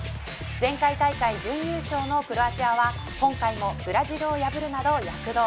前回大会準優勝のクロアチアは今回もブラジルを破るなど躍動。